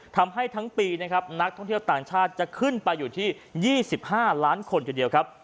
ทำให้ทั้งปีนะครับนักท่องเที่ยวต่างชาติจะขึ้นไปอยู่ที่๒๕ล้านคนทีเดียวครับ